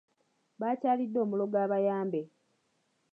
Baakyalidde omulogo abayambe.